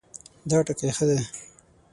دا ټکی ښه دی